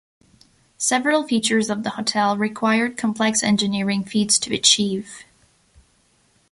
Several features of the hotel required complex engineering feats to achieve.